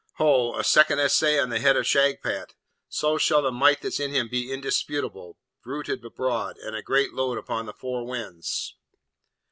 Ho! a second essay on the head of Shagpat! so shall the might that's in him be indisputable, bruited abroad, and a great load upon the four winds.'